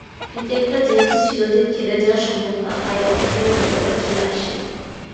ক্রিকেটটা যেহেতু চিরদিন খেলে যাওয়া সম্ভব নয়, তাই অবসরের ব্যাপারটা চলে আসেই।